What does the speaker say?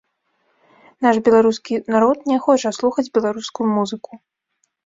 Наш беларускі народ не хоча слухаць беларускую музыку.